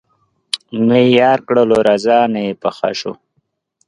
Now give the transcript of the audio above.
نه یې یار کړلو رضا نه یې په ښه شو